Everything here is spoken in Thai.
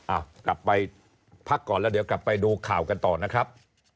อ่ะกลับไปพักก่อนแล้วเดี๋ยวกลับไปดูข่าวกันต่อนะครับ